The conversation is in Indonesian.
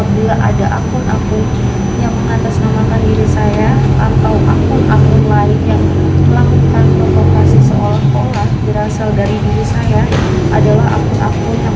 baik itu instagram